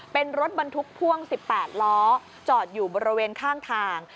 เป็นรถบรรทุกพ่วง๑๘ล้อจอดอยู่บริเวณข้างทาง